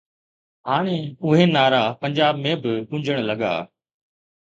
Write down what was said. هاڻي اهي نعرا پنجاب ۾ به گونجڻ لڳا